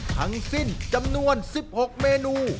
ทั้งสิ้นจำนวน๑๖เมนู